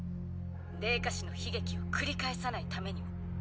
泥花市の悲劇を繰り返さない為にも。